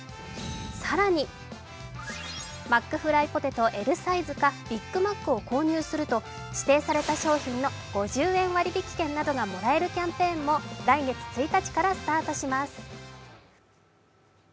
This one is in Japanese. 更に、マックフライポテトＬサイズかビッグマックを購入すると指定された商品の５０円割引券などがもらえるキャンペーンも来月１日からスタートします。